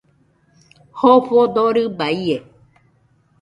Jofo dorɨba ie